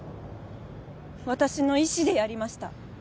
私の意思でやりました